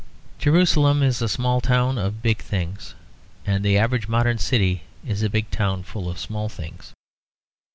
Jerusalem is a small town of big things; and the average modern city is a big town full of small things.